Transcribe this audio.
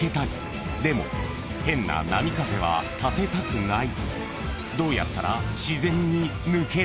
［でも変な波風は立てたくない］